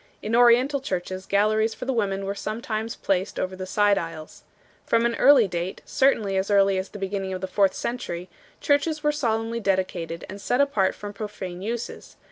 In Oriental churches galleries for the women were sometimes placed over the side aisles. From an early date, certainly as Ecclesiastical Ceremonies and Art. 409 early as the beginning of the fourth century, churches were solemnly dedicated and set apart from profane uses 1